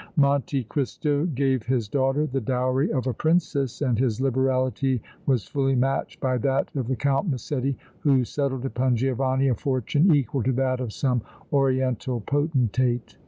Monte Cristo gave his daughter the dowry of a Princess and his liberality was fully matched by that of the Count Massetti who settled upon Giovanni a fortune equal to that of some oriental potentate.